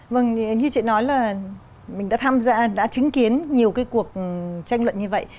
vâng như chị nói là mình đã tham gia đã chứng kiến nhiều cái cuộc tranh luận như vậy